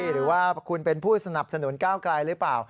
หรือว่าคุณเป็นผู้สนับสนุนก้าวไกลหรือเปล่า